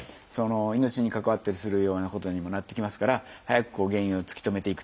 命に関わったりするようなことにもなってきますから早く原因を突き止めていくと。